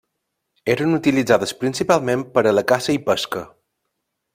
Eren utilitzades principalment per a la caça i pesca.